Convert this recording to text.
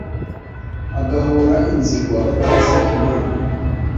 agahora inzigo abatazi Imana